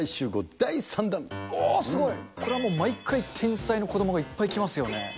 おー、すごい、これはもう毎回、天才の子どもがいっぱい来ますよね。